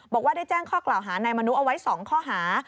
บอกว่าได้แจ้งข้อกล่าวหานายมนุเอาไว้๒ข้อหา